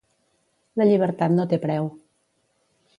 La llibertat no té preu